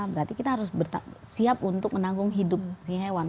berarti kita harus siap untuk menanggung hidup si hewan